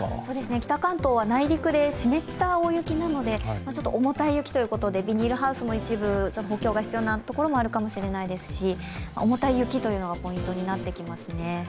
北関東は内陸で湿った大雪なので、重たい雪ということで、ビニールハウスの一部、ちょっと補強が必要なところもあるかもしれないですし重たい雪というのがポイントになってきますね。